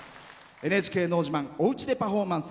「ＮＨＫのど自慢おうちでパフォーマンス」